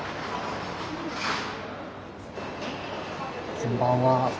こんばんは。